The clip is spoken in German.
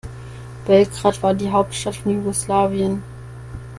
Belgrad war die Hauptstadt von Jugoslawien.